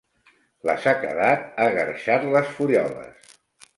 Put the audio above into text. La sequedat ha guerxat les fulloles.